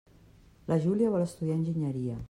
La Júlia vol estudiar enginyeria.